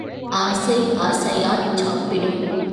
ஆசை ஆசையாச் சாப்பிடும்.